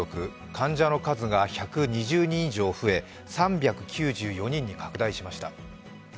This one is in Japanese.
患者の数が１２０人以上増え３９４人に拡大しました。